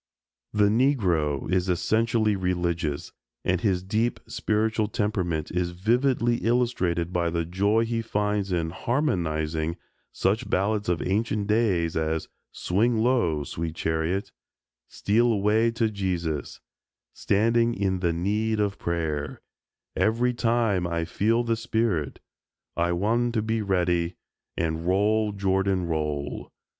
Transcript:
The Negro is essentially religious, and his deep spiritual temperament is vividly illustrated by the joy he finds in "harmonizing" such ballads of ancient days as "Swing Low, Sweet Chariot," "Steal Away to Jesus," "Standin' in the Need of Prayer," "Every Time I Feel the Spirit," "I Wan' to be Ready," and "Roll, Jordan, Roll."